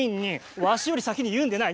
ワシより先に言うのでない。